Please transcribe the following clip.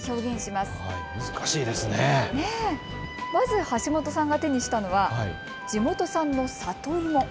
まず橋本さんが手にしたのは地元産の里芋。